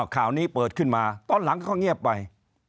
ข่าวนี้เปิดขึ้นมาตอนหลังก็เงียบไป